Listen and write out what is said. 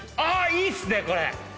いいっすねこれ。